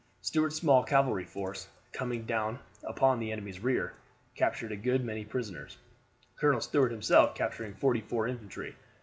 Stuart's small cavalry force, coming down upon the enemy's rear, captured a good many prisoners Colonel Stuart himself capturing forty four infantry.